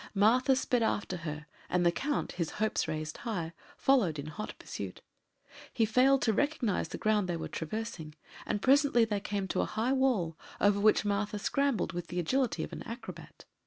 Martha sped after her, and the Count, his hopes raised high, followed in hot pursuit. He failed to recognize the ground they were traversing, and presently they came to a high wall, over which Martha scrambled with the agility of an acrobat.